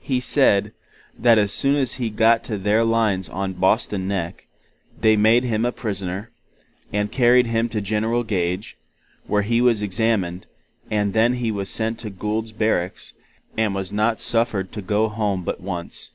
he said, that as soon as he got to their lines on Boston Neck, they made him a prisoner, and carried him to General Gage, where He was examined, and then He was sent to Gould's Barracks, and was not suffered to go home but once.